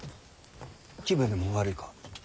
気分でも悪いか？